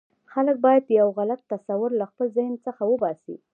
خلک باید یو غلط تصور له خپل ذهن څخه وباسي.